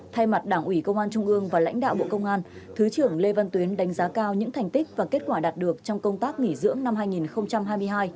thay mặt đảng ủy công an trung ương và lãnh đạo bộ công an thứ trưởng lê văn tuyến đánh giá cao những thành tích và kết quả đạt được trong công tác nghỉ dưỡng năm hai nghìn hai mươi hai